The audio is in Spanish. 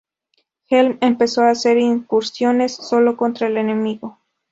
Helm empezó a hacer incursiones solo contra el enemigo.